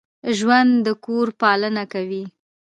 ژوندي د کور پالنه کوي